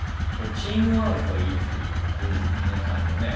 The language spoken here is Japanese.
チームワークがいいっていうか皆さんのね。